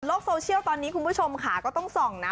โซเชียลตอนนี้คุณผู้ชมค่ะก็ต้องส่องนะ